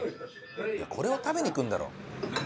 これを食べに来るんだろ。